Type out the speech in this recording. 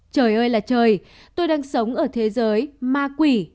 trời ơi là trời tôi đang sống ở thế giới ma quỷ